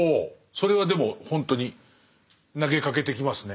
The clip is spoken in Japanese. それはでもほんとに投げかけてきますね。